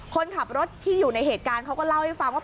คนขับรถที่อยู่ในเหตุการณ์เขาก็เล่าให้ฟังว่า